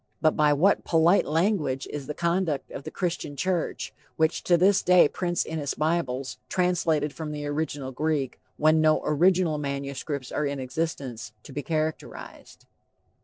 But by what polite language is the conduct of the Christian church which to this day prints in its bibles "Translated from the Original Greek," when no original manuscripts are in existence to be characterized?